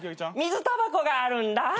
水たばこがあるんだ。